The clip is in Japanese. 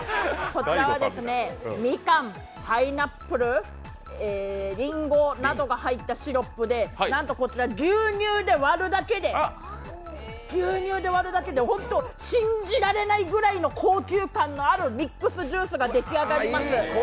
こちらはみかん、パイナップルりんごなどが入ったシロップでなんとこちら、牛乳で割るだけでホント、信じられないくらいの高級感のあるミックスジュースができ上がります。